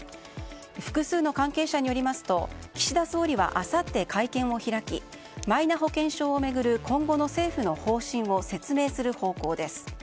複数の関係者によりますと岸田総理はあさって、会見を開きマイナ保険証を巡る今後の政府の方針を説明する方向です。